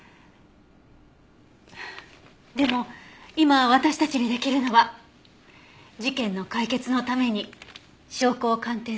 でも今私たちにできるのは事件の解決のために証拠を鑑定するだけよ。